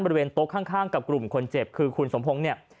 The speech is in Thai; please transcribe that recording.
บริเวณโต๊ะข้างกับกลุ่มคนเจ็บคือคุณสมพงศ์เนี่ย